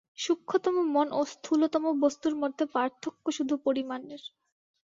সূক্ষ্মতম মন ও স্থূলতম বস্তুর মধ্যে পার্থক্য শুধু পরিমাণের।